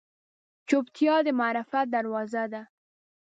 چوپتیا، د معرفت دروازه ده.